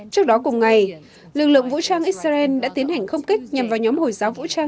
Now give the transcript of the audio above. trước đó cùng ngày lực lượng vũ trang israel đã tiến hành không kích nhằm vào nhóm hồi giáo vũ trang